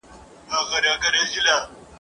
ابوجهل به یې ولي د منبر سرته ختلای ..